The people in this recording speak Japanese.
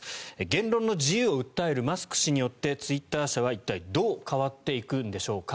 言論の自由を訴えるマスク氏によってツイッター社は一体どう変わっていくんでしょうか。